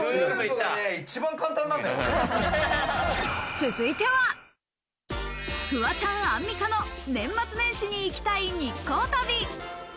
続いては、フワちゃん、アンミカの年末年始に行きたい日光旅。